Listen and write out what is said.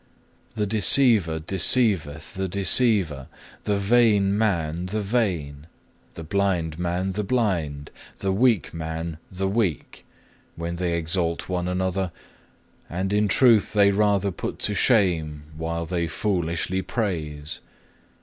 The deceiver deceiveth the deceiver, the vain man the vain, the blind man the blind, the weak man the weak, when they exalt one another; and in truth they rather put to shame, while they foolishly praise.